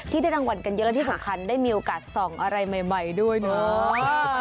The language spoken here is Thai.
ได้รางวัลกันเยอะและที่สำคัญได้มีโอกาสส่องอะไรใหม่ด้วยเนาะ